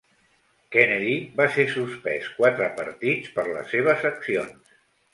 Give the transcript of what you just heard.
Kennedy va ser suspès quatre partits per les seves accions.